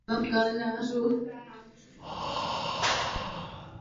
Rhodezie, dnešní Zimbabwe, byla sýpkou jižní Afriky.